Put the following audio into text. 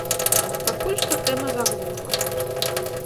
Пакуль што тэма заглухла.